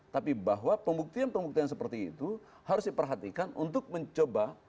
tapi bahwa pembuktian pembuktian seperti itu harus diperhatikan untuk mencoba